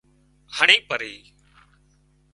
هڻي پرِي